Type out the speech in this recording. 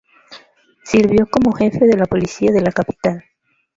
Sirvió como jefe de la policía de la capital.